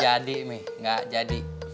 gak jadi mi gak jadi